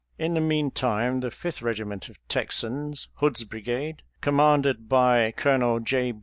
In the mean time, the Fifth Eegiment of Texans, Hood's brigade, commanded by Colo nel J.